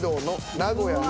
「名古屋の」